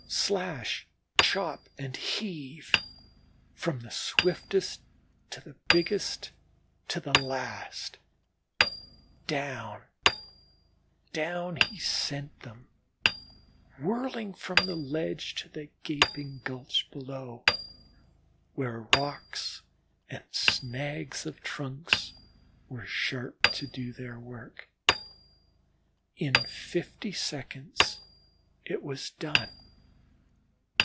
Slash, chop and heave, from the swiftest to the biggest, to the last, down down he sent them whirling from the ledge to the gaping gulch below, where rocks and snags of trunks were sharp to do their work. In fifty seconds it was done.